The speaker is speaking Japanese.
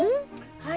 はい。